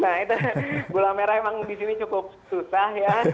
nah itu gula merah memang di sini cukup susah ya